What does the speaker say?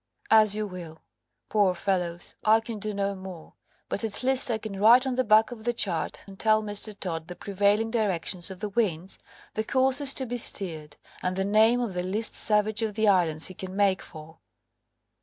"As you will. Poor fellows; I can do no more, but at least I can write on the back of the chart and tell Mr. Todd the prevailing directions of the winds, the courses to be steered, and the name of the least savage of the islands he can make for."